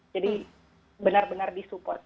jadi benar benar disupport